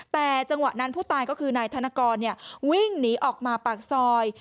แต่จังหวะนั้นผู้ตายก็คือนายธนกรวิ่งหนีออกมาปากซอย